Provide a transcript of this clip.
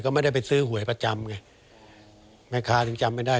กมบรรยายปรับร้อยได้